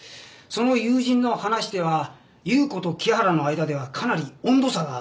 その友人の話では優子と木原の間ではかなり温度差があったそうです。